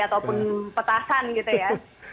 ataupun petasan gitu ya